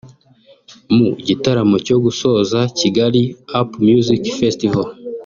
Mu gitaramo cyo gusoza Kigali Up Music Festival